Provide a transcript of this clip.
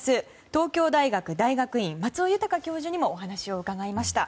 東京大学大学院、松尾豊教授にもお話を伺いました。